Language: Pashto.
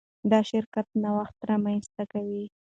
دا شرکت نوښت رامنځته کوي.